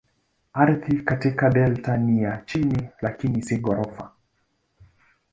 Ardhi katika delta ni ya chini lakini si ghorofa.